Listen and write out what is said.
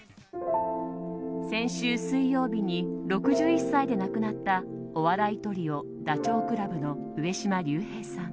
先週水曜日に６１歳で亡くなったお笑いトリオダチョウ倶楽部の上島竜兵さん。